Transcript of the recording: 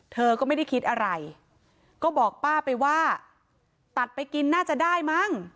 เธอก็ไม่ได้คิดอะไรก็บอกป้าไปว่าตัดไปกินน่าจะได้มั้ง